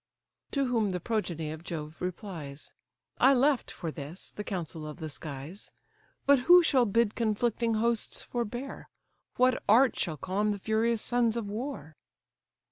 To whom the progeny of Jove replies: "I left, for this, the council of the skies: But who shall bid conflicting hosts forbear, What art shall calm the furious sons of war?"